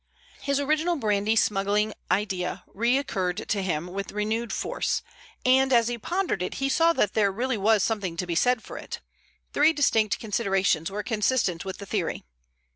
His original brandy smuggling idea recurred to him with renewed force, and as he pondered it he saw that there really was something to be said for it. Three distinct considerations were consistent with the theory.